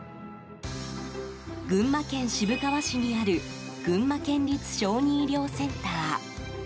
群馬県渋川市にある群馬県立小児医療センター。